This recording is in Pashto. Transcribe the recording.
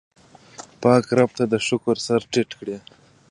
پاک رب ته د شکر سر ټیټ کړئ.